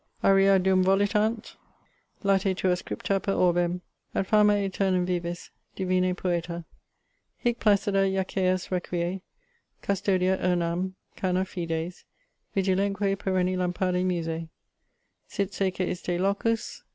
Aurea dum volitant latè tua scripta per orbem, Et famâ aeternùm vivis, divine Poeta, Hic placidâ jaceas requie; custodiat urnam Cana Fides, vigilentque perenni lampade Musae; Sit sacer iste locus.